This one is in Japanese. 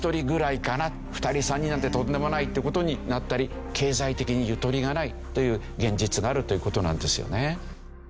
２人３人なんてとんでもないって事になったり経済的にゆとりがないという現実があるという事なんですよね。